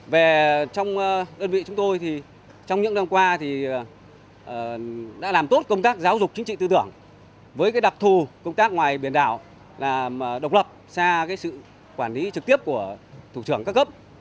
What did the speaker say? về trong đơn vị chúng tôi thì trong những năm qua thì đã làm tốt công tác giáo dục chính trị tư tưởng với đặc thù công tác ngoài biển đảo là độc lập xa sự quản lý trực tiếp của thủ trưởng các cấp